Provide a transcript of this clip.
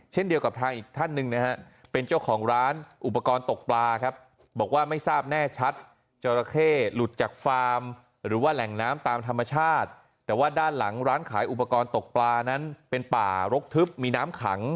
เช่นเดียวกับทางอีกท่านหนึ่งเป็นเจ้าของร้านอุปกรณ์ตกปลา